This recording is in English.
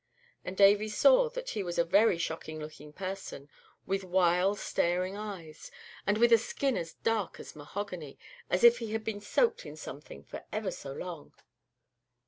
and Davy saw that he was a very shocking looking person, with wild, staring eyes, and with a skin as dark as mahogany, as if he had been soaked in something for ever so long.